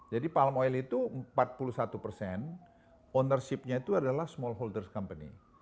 jadi palm oil itu empat puluh satu persen ownership nya itu adalah smallholder company